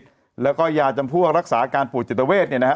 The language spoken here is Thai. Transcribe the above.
เสพยาเสพติดแล้วก็ยาจำพวกรักษาการปวดจิตเวทเนี่ยนะฮะ